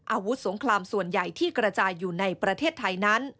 อาวุธสงครามส่วนใหญ่ที่กระจายอยู่ในประเทศไทยนั้น